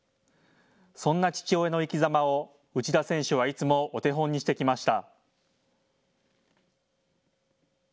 そんな父親の生きざまを内田選手はいつもお手本にしてきました。